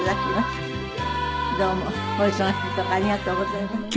どうもお忙しいとこありがとうございます。